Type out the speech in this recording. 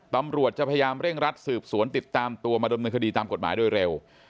ตำรวจจะพยายามเร่งรัดสืบสวนติดตามตัวมาดำเนินคดีตามกฎหมายโดยเร็ว